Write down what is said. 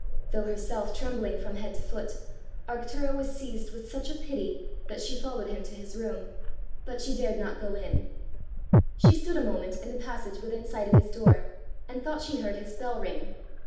Though herself trembling from head to foot, Arctura was seized with such a pity, that she followed him to his room; but she dared not go in. She stood a moment in the passage within sight of his door, and thought she heard his bell ring.